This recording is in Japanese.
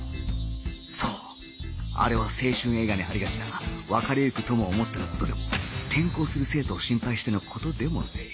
そうあれは青春映画にありがちな別れ行く友を思っての事でも転校する生徒を心配しての事でもない